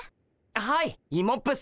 はいイモップっす。